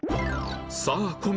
さあ小宮